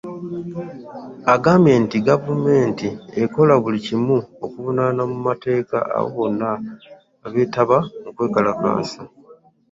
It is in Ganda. Agambye nti gavumenti ekola buli kimu okuvunaana mu mateeka abo bonna abeetaba mu kwekalakaasa